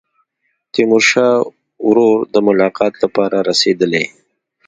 تیمورشاه ورور د ملاقات لپاره رسېدلی.